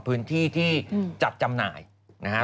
พื้นที่ที่จัดจำหน่ายนะฮะ